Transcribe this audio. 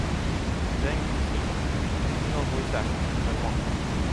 Zheng Yuxin, female voice actress in Taiwan.